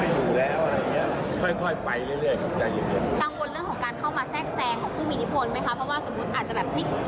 กังวลเรื่องของการเข้ามาแทรกแซงของผู้มีอิทธิพลไหมคะเพราะว่าสมมุติอาจจะแบบพลิก